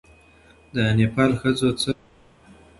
د نېپال ښځو څه وکړل؟